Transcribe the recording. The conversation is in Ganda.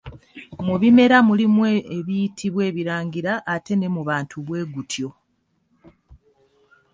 Mu bimera mulimu ebiyitibwa ebirangira ate ne mu bantu bwe gutyo.